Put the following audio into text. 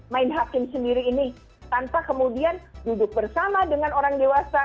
main hakim sendiri ini tanpa kemudian duduk bersama dengan orang dewasa